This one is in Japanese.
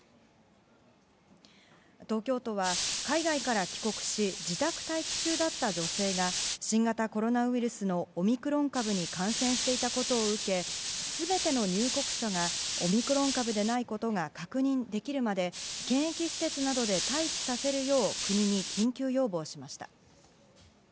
東京都は海外から帰国し、自宅待機中だった女性が新型コロナウイルスのオミクロン株に感染していたことを受け、すべての入国者がオミクロン株でないことが確認できるまで検疫施設などで待機させるよう国に緊急要望しました。